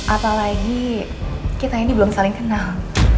apalagi kita ini belum saling kenal